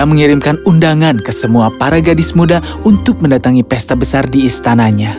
mengirimkan undangan ke semua para gadis muda untuk mendatangi pesta besar di istananya